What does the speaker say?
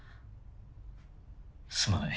すまない。